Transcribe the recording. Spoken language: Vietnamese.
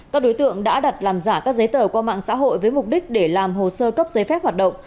các đối tượng đã đặt làm giả các giấy tờ qua mạng xã hội với mục đích để làm hồ sơ cấp giấy phép hoạt động